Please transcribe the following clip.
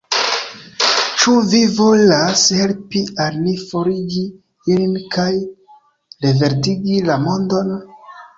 Ĉu vi volas helpi al ni forigi ilin kaj reverdigi la mondon?